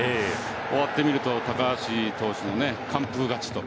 終わってみると高橋投手の完封勝ちと。